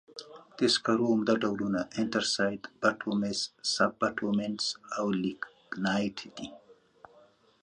د سکرو عمده ډولونه انترسایت، بټومینس، سب بټومینس او لېګنایټ دي.